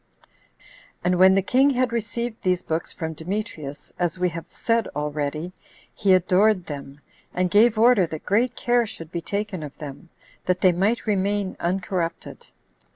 15. And when the king had received these books from Demetrius, as we have said already, he adored them, and gave order that great care should be taken of them, that they might remain uncorrupted.